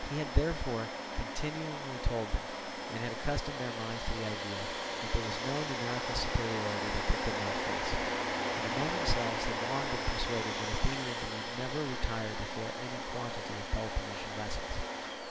He had before continually told them, and had accustomed their minds to the idea, that there was no numerical superiority that they could not face; and the men themselves had long been persuaded that Athenians need never retire before any quantity of Peloponnesian vessels.